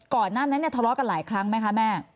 ก่อนหน้านั้นเนี่ยทะเลาะกันหลายครั้งไหมคะแม่